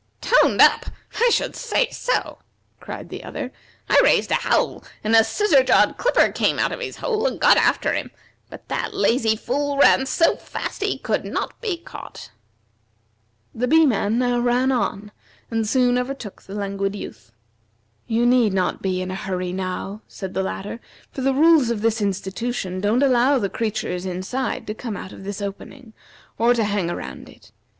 "Toned up! I should say so!" cried the other. "I raised a howl, and a Scissor jawed Clipper came out of his hole, and got after him; but that lazy fool ran so fast that he could not be caught." The Bee man now ran on and soon overtook the Languid Youth. "You need not be in a hurry now," said the latter, "for the rules of this institution don't allow the creatures inside to come out of this opening, or to hang around it.